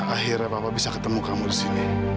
akhirnya papa bisa ketemu kamu disini